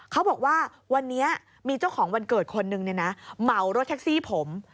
เขาบอกว่าวันนี้มีเจ้าของวันเกิดคนนึงเหมารถแท็กซี่ผม